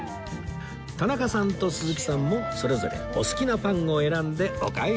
田中さんと鈴木さんもそれぞれお好きなパンを選んでお買い上げ